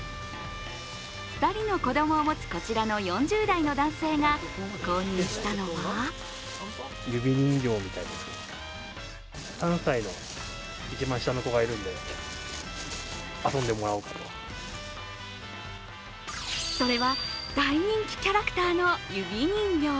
２人の子供を持つこちらの４０代の男性が購入したのはそれは大人気キャラクターの指人形。